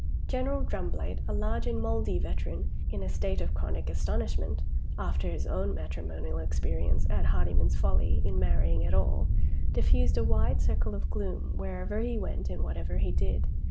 General Drumblade, a large and mouldy veteran, in a state of chronic astonishment (after his own matrimonial experience) at Hardyman's folly in marrying at all, diffused a wide circle of gloom, wherever he went and whatever he did.